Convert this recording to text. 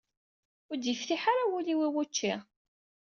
Ur d-yeftiḥ ara wul-iw i wučči.